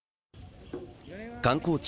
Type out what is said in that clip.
観光地